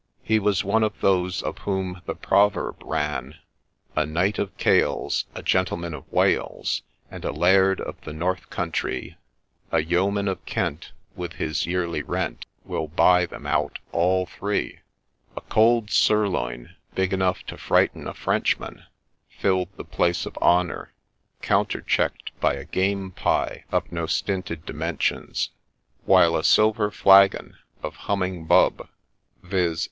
He was one of those of whom the proverb ran :' A Knight of Gales, A Gentleman of Wales, And a Laird of the North Countree : A Yeoman of Kent, With his yearly rent, Will buy them out all three 1 ' A cold sirloin, big enough to frighten a Frenchman, filled the place of honour, counter checked by a game pie of no stinted THE LEECH OF FOLKESTONE 71 dimensions ; while a silver flagon of ' humming bub,' — viz.